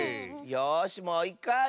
よしもういっかい！